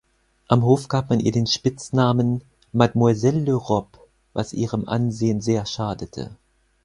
Am Hof gab man ihr den Spitznamen „Mademoiselle l’Europe“, was ihrem Ansehen sehr schadete.